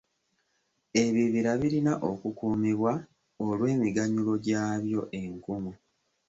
Ebibira birina okukuumibwa olw'emiganyulwo gyabyo enkumu.